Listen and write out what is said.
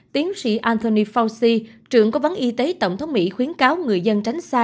tiến sĩ anthony fauci trưởng cố vấn y tế tổng thống mỹ khuyến cáo người dân tránh xa